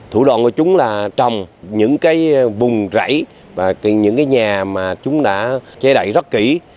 thủ đoàn của chúng là trồng những vùng rẫy và những nhà mà chúng đã che đậy rất kỹ